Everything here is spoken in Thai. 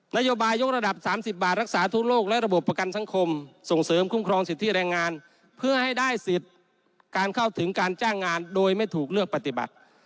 นโยบายยกระดับ๓๐บาทรักษาทั่วโลกและระบบประกันสังคมส่งเสริมคุ้มครองสิทธิแรงงานเพื่อให้ได้สิทธิ์การเข้าถึงการจ้างงานโดยไม่ถูกเลือกปฏิบัติ